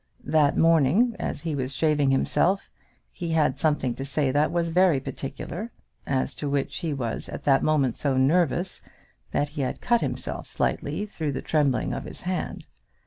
That morning, as he was shaving himself, he had something to say that was very particular, as to which he was at that moment so nervous, that he had cut himself slightly through the trembling of his hand.